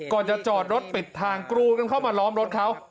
ก่อนจะจอดรถปิดทางกรูกันเข้ามาล้อมรถเขา